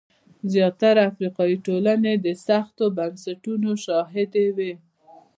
زیاتره افریقایي ټولنې د سختو بنسټونو شاهدې وې.